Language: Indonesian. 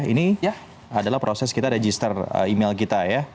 ini ya adalah proses kita register email kita ya